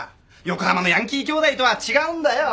横浜のヤンキーきょうだいとは違うんだよ。